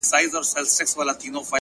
• دښمني به سره پاته وي کلونه,